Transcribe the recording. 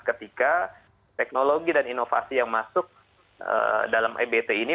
ketika teknologi dan inovasi yang masuk dalam ebt ini